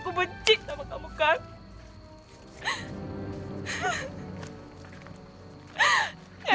yang pergi ke kerang tikandel